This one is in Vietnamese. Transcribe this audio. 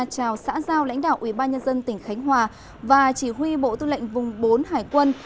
chào xã giao lãnh đạo ủy ban nhân dân tỉnh khánh hòa và chỉ huy bộ tư lệnh vùng bốn hải quân